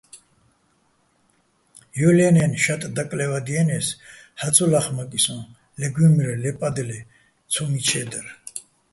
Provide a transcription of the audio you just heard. ჲოლ ჲანაჲნო̆ შატ დაკლე́ვადიენე́ს, ჰ̦ალო̆ ცო ლახმაკი სოჼ, ლე გუჲმრე, ლე პადლე - ცომიჩე́ დარ.